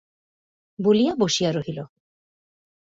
বলিয়া বসিয়া রহিল।